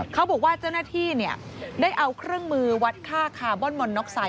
เขาบอกว่าเจ้าหน้าที่ได้เอาเครื่องมือวัดค่าคาร์บอนมอนน็อกไซด